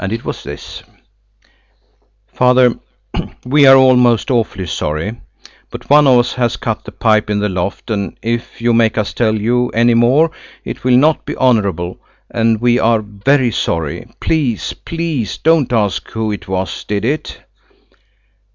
It was this: "Father, we are all most awfully sorry, but one of us has cut the pipe in the loft, and if you make us tell you any more it will not be honourable, and we are very sorry. Please, please don't ask who it was did it."